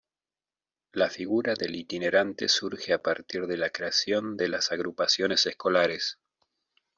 La figura del itinerante surge a partir de la creación de las agrupaciones escolares.